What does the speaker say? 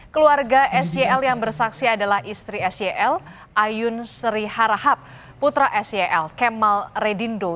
keluarga sel yang bersaksi adalah istri sel ayun sri harahap putra sel kemal redindo